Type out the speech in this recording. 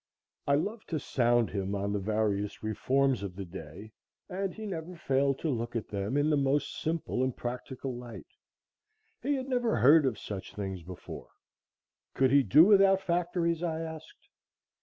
I loved to sound him on the various reforms of the day, and he never failed to look at them in the most simple and practical light. He had never heard of such things before. Could he do without factories? I asked.